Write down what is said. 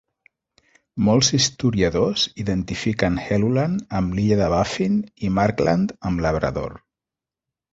Molts historiadors identifiquen Helluland amb l'illa de Baffin i Markland amb Labrador.